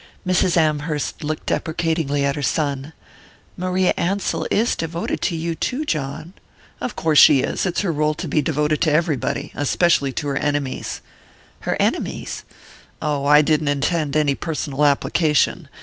Mrs. Amherst looked deprecatingly at her son. "Maria Ansell is devoted to you too, John " "Of course she is! It's her rôle to be devoted to everybody especially to her enemies." "Her enemies?" "Oh, I didn't intend any personal application.